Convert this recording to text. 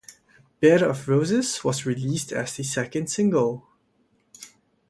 "Bed of Roses" was released as the second single.